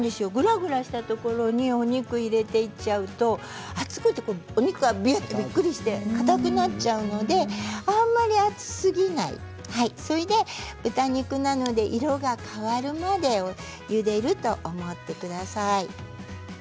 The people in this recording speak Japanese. ぐらぐらしたところにもお肉を入れていっちゃうと熱くてお肉が、きゅっとびっくりしてかたくなっちゃうのであまり熱すぎない豚肉なので色が変わるまでゆでると思ってください。